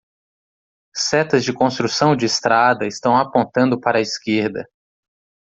Setas de construção de estrada estão apontando para a esquerda